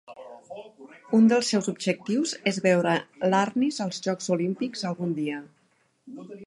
Un dels seus objectius és veure l'Arnis als Jocs Olímpics algun dia.